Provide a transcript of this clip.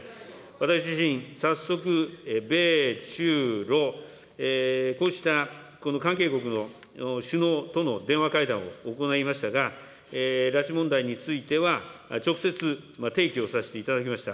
私自身、早速、米中ロ、こうした関係国の首脳との電話会談を行いましたが、拉致問題については直接提起をさせていただきました。